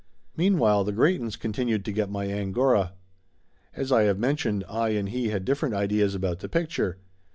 Meanwhile the Greytons continued to get my angora. As I have mentioned, I and he had different ideas about the picture.